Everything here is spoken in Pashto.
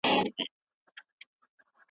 ځنګلونه د ځمکې د پاکۍ لپاره مهم دي.